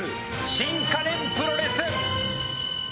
新家電プロレス。